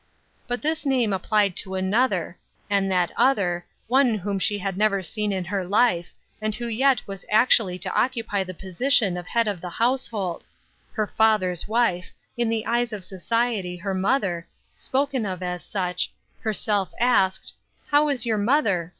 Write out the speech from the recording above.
But this name applied to another, and that other, one whom she had never seen in her life, and who yet was actually to occupy the position of head of the household her father's wife, in the eyes of society her mother, spoken of as such, herself asked, "How is your mother?"